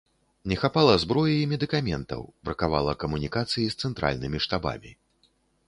Не хапала зброі і медыкаментаў, бракавала камунікацыі з цэнтральнымі штабамі.